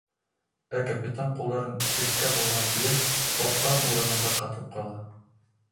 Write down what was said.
Ә капитан, ҡулдарын өҫкә һуҙған килеш, баҫҡан урынында ҡатып ҡала.